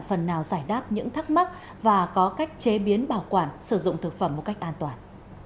phần nào giải đáp những thắc mắc và có cách chế biến bảo quản sử dụng thực phẩm một cách an toàn